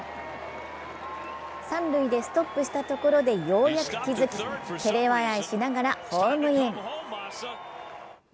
三塁でストップしたところでようやく気づき、照れ笑いしながらホームイン。